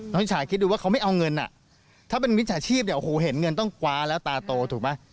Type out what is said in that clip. วิชาคิดดูว่าเขาไม่เอาเงินอ่ะถ้าเป็นมิจฉาชีพเนี่ยโอ้โหเห็นเงินต้องกว้าแล้วตาโตถูกไหม